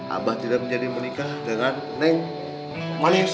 abah tidak menjadi menikah dengan neng malif